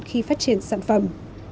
khi phát triển sản phẩm